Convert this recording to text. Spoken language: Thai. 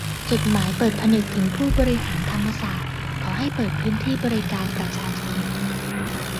จดหมายเปิดผนึกถึงผู้บริหารธรรมศาสตร์ขอให้เปิดพื้นที่บริการประชาชน